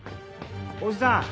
おじさん。